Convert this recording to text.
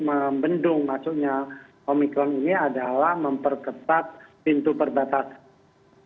membendung masuknya omikron ini adalah memperketat pintu perbatasan